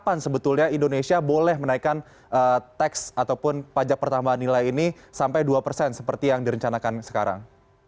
kapan sebetulnya indonesia boleh menaikkan tax ataupun pajak pertambahan nilai ini sampai dua persen seperti yang direncanakan sekarang